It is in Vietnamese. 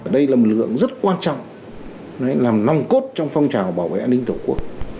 đây là một lực lượng rất quan trọng làm nòng cốt trong phong trào bảo vệ an ninh tổ quốc